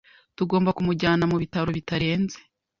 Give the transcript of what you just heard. Tugomba kumujyana mu bitaro bitarenze.